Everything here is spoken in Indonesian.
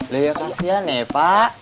loh ya kasihan ya pak